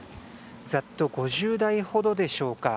ざっと５０台ほどでしょうか。